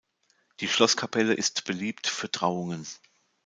Die Schlosskapelle ist beliebt für Trauungen.